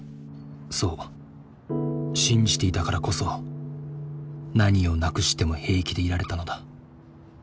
そう信じていたからこそ何をなくしても平気でいられたのだ。